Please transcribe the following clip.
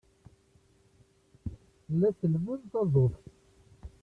La tellmen taḍuft.